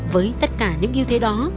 với tất cả những yêu thế đó